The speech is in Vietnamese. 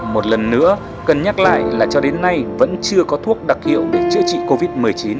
một lần nữa cần nhắc lại là cho đến nay vẫn chưa có thuốc đặc hiệu để chữa trị covid một mươi chín